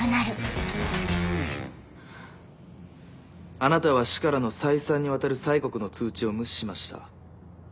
あなたは市からの再三にわたる催告の通知を無視しました。